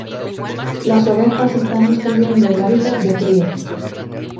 Las ovejas están destruyendo el hábitat de cría.